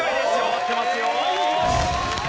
合ってますよ。